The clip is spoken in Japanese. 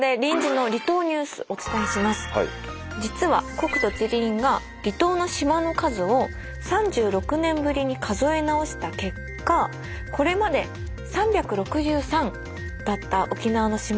実は国土地理院が離島の島の数を３６年ぶりに数え直した結果これまで３６３だった沖縄の島の数が６９１に変更されたそうです。